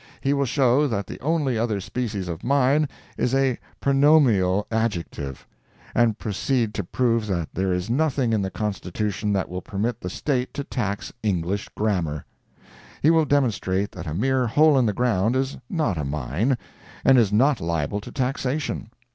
He will show that the only other species of "mine" is a "pronominal adjective," and proceed to prove that there is nothing in the Constitution that will permit the State to tax English grammar. He will demonstrate that a mere hole in the ground is not a mine, and is not liable to taxation.